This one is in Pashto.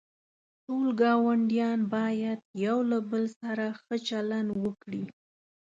ټول گاونډیان باید یوله بل سره ښه چلند وکړي.